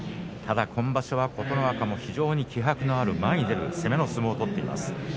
ただ今場所は琴ノ若も非常に気迫のある、前に出る攻めの相撲を取っています。